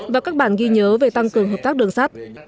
và các bản ghi nhớ về tăng cường hợp tác đường sắt